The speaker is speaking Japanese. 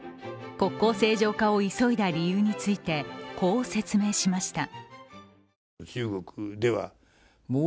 国交正常化を急いだ理由についてこう説明しました。